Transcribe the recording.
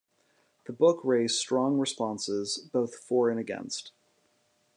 The book raised strong responses, both for and against.